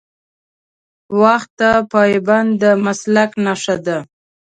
وخت ته پابندي د مسلک نښه ده.